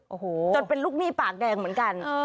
โอ้โหจนเป็นลูกหนี้ปากแดงเหมือนกัน